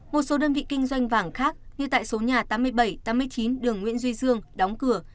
một số đơn vị kinh doanh vàng khác như tại số nhà tám mươi bảy tám mươi chín đường nguyễn duy dương đóng cửa